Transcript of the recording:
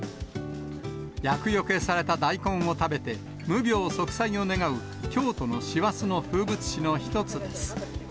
厄よけされた大根を食べて、無病息災を願う京都の師走の風物詩の一つです。